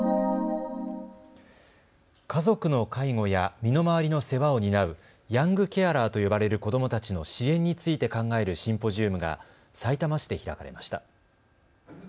家族の介護や身の回りの世話を担うヤングケアラーと呼ばれる子どもたちの支援について考えるシンポジウムがさいたま市で開かれました。